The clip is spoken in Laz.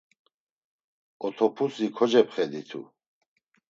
Otopusi kocepxeditu.